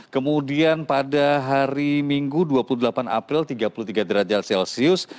kemudian pada hari minggu dua puluh delapan april tiga puluh tiga derajat celcius